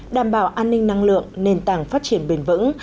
đảm bảo an ninh năng lượng nền tảng phát triển bền vững